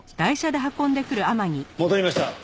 戻りました。